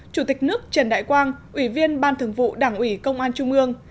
chủ tịch nước trần đại quang ủy viên ban thường vụ đảng ủy công an trung ương